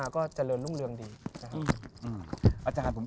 พระพุทธพิบูรณ์ท่านาภิรม